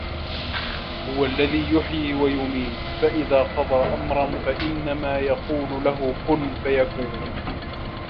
هُوَ الَّذي يُحيي وَيُميتُ فَإِذا قَضى أَمرًا فَإِنَّما يَقولُ لَهُ كُن فَيَكونُ